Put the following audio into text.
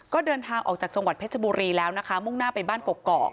ก็เดินทางออกจากจังหวัดเพชรบุรีแล้วนะคะมุ่งหน้าไปบ้านกกอก